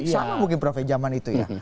sama mungkin prof ya zaman itu ya